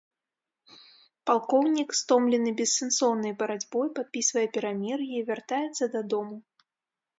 Палкоўнік, стомлены бессэнсоўнай барацьбой, падпісвае перамір'е і вяртаецца дадому.